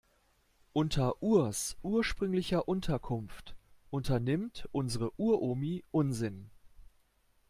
Unter Urs ursprünglicher Unterkunft unternimmt unsere Uromi Unsinn.